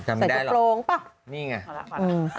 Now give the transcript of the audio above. ไม่จำได้หรอกเสร็จกระโปรงป่ะเออนี่ไง